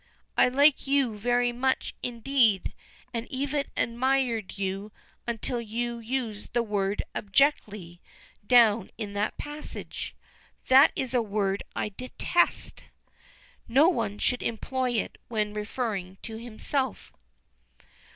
I like you very much indeed, and even admired you until you used the word 'abjectly' down in that passage. That is a word I detest; no one should employ it when referring to himself."